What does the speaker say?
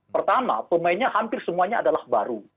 pertama pemainnya hampir semuanya adalah baru